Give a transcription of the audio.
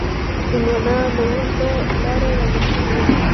هندوانه له اوږده لاره راوړل کېږي.